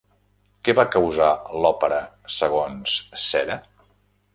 Què va causar l'òpera segons Cera?